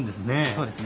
そうですね。